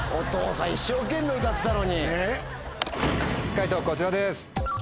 解答こちらです。